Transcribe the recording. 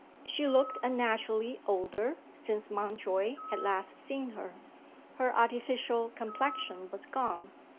She looked unnaturally older since Mountjoy had last seen her. Her artificial complexion was gone.